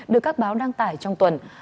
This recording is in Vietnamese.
được các báo đăng tải trong tuần